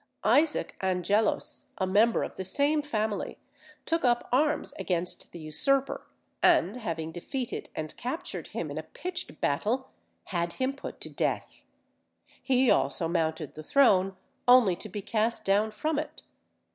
Isaac Angelus, a member of the same family, took up arms against the usurper, and having defeated and captured him in a pitched battle, had him put to death. He also mounted the throne only to be cast down from it.